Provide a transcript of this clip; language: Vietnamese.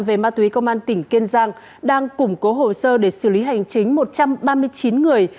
về ma túy công an tỉnh kiên giang đang củng cố hồ sơ để xử lý hành chính một trăm ba mươi chín người